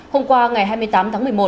hôm qua ngày hai mươi tám tháng một mươi một